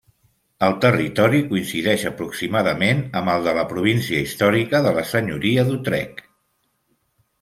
El territori coincideix aproximadament amb el de la província històrica de la senyoria d'Utrecht.